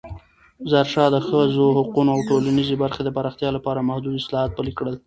ظاهرشاه د ښځو حقونو او ټولنیزې برخې د پراختیا لپاره محدود اصلاحات پلې کړل.